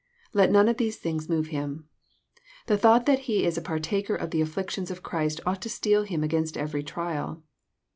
Let none of these things move him. The thought that he is a par taker of the afflictions of Christ ought to steel him against every trial.